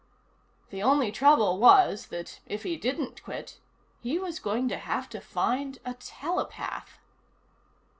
The only trouble was that, if he didn't quit, he was going to have to find a telepath.